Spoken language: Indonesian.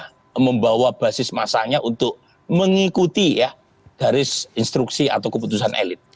karena itu membawa basis mas anies untuk mengikuti ya dari instruksi atau keputusan elit